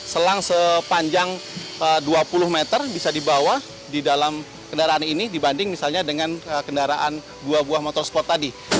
selang sepanjang dua puluh meter bisa dibawa di dalam kendaraan ini dibanding misalnya dengan kendaraan dua buah motorsport tadi